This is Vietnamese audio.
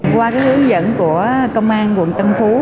qua hướng dẫn của công an quận tân phú